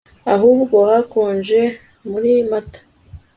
Ahubwo hakonje muri Mata